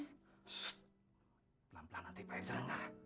sstt pelan pelan nanti pak irjal ngarah